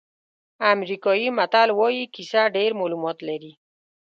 امریکایي متل وایي کیسه ډېر معلومات لري.